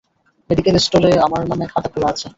Medical স্টোরে আমার নামে খাতা খোলা আছে।